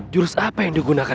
jurus apa yang digunakan